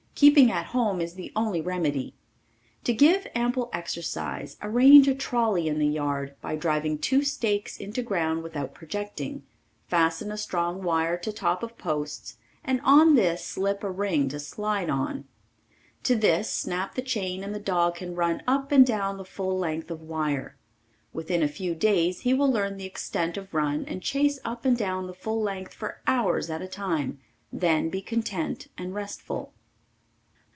Keeping at home is the only remedy. To give ample exercise arrange a trolley in the yard by driving two stakes into ground without projecting; fasten a strong wire to top of posts and on this slip a ring to slide on; to this snap the chain and the dog can run up and down the full length of wire. Within a few days he will learn the extent of run and chase up and down the full length for hours at a time, then be content and restful.